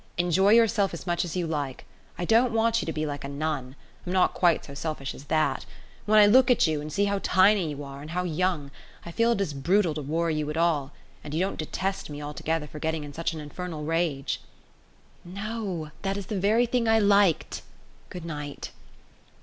Enjoy yourself as much as you like. I don't want you to be like a nun. I'm not quite so selfish as that. When I look at you and see how tiny you are, and how young, I feel it is brutal to worry you at all, and you don't detest me altogether for getting in such an infernal rage?" "No. That is the very thing I liked. Good night!"